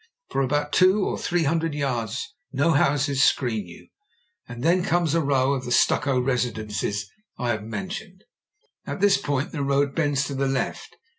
For about two or three hundred 3rards no houses screen you, and then comes a row of the stucco residences I have men tioned. Also at this point the road bends to the left.